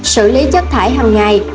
xử lý chất thải hằng ngày